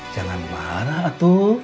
jangan marah atu